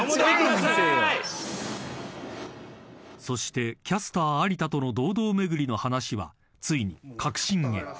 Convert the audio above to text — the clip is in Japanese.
［そしてキャスター有田との堂々巡りの話はついに核心へ］